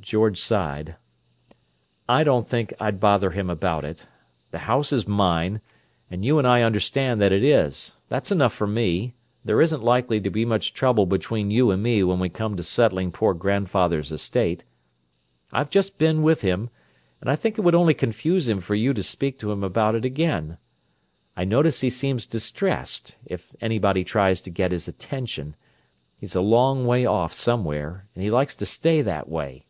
George sighed. "I don't think I'd bother him about it: the house is mine, and you and I understand that it is. That's enough for me, and there isn't likely to be much trouble between you and me when we come to settling poor grandfather's estate. I've just been with him, and I think it would only confuse him for you to speak to him about it again. I notice he seems distressed if anybody tries to get his attention—he's a long way off, somewhere, and he likes to stay that way.